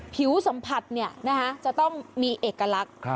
ผิวสัมผัสจะต้องมีเอกลักษณ์